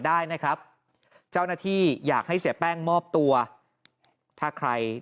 ได้นะครับเจ้านาธิอย่าให้เสแป้งมอบตัวถ้าใครได้